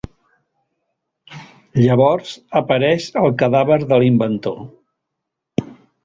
Llavors, apareix el cadàver de l'inventor.